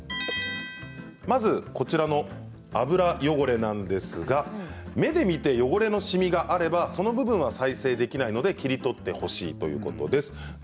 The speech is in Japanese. まずこちらの油汚れなんですが目で見える汚れじみがあれば再生できないので切り取ってほしいということです。